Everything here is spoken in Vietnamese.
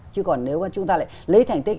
chứ còn nếu chúng ta lại lấy thành tích